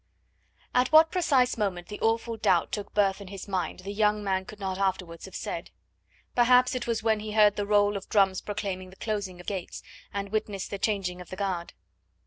At what precise moment the awful doubt took birth in his mind the young man could not afterwards have said. Perhaps it was when he heard the roll of drums proclaiming the closing of the gates, and witnessed the changing of the guard.